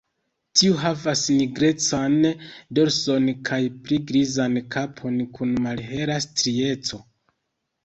Tiu havas nigrecan dorson kaj pli grizan kapon kun malhela strieco.